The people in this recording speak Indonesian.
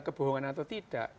kebohongan atau tidak